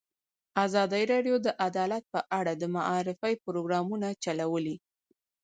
ازادي راډیو د عدالت په اړه د معارفې پروګرامونه چلولي.